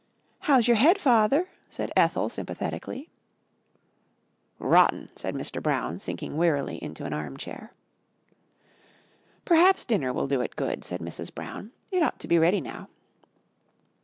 "How's your head, father?" said Ethel sympathetically. "Rotten!" said Mr. Brown, sinking wearily into an arm chair. "Perhaps dinner will do it good," said Mrs. Brown, "it ought to be ready now."